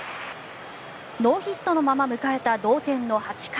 ノーヒットのまま迎えた同点の８回。